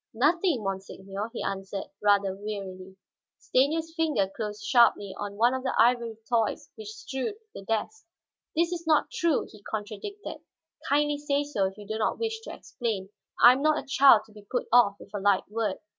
"Nothing, monseigneur," he answered, rather wearily. Stanief's fingers closed sharply on one of the ivory toys which strewed the desk. "That is not true," he contradicted. "Kindly say so if you do not wish to explain; I am not a child to be put off with a light word.